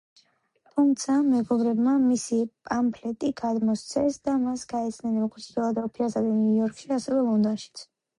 თუმცა, მეგობრებმა მისი პამფლეტი გამოსცეს და მას გაეცნენ როგორც ფილადელფიასა და ნიუ-იორკში, ასევე ლონდონშიც.